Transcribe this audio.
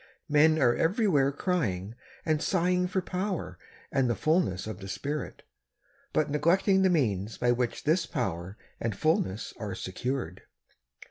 Men are everywhere crying and sighing for power and the fulness of the Spirit, but neglecting the means by which this power and fulness are secured.